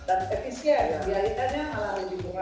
dan efisien biaritanya malah di bunga